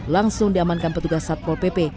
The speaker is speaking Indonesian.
langsung diamankan petugas satpol pp